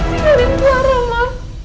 jangan tinggalin kelara ma